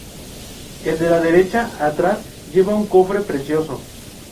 El de la derecha, atrás, lleva un cofre precioso.